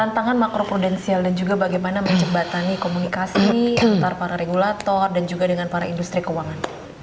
tantangan makro prudensial dan juga bagaimana menjembatani komunikasi antara para regulator dan juga dengan para industri keuangan